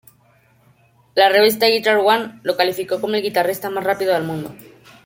La revista Guitar One lo calificó como el guitarrista más rápido del mundo.